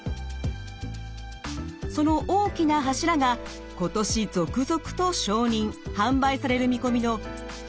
その大きな柱が今年続々と承認販売される見込みの肥満症治療薬の登場です。